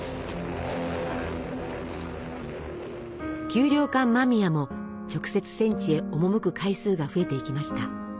給糧艦間宮も直接戦地へ赴く回数が増えていきました。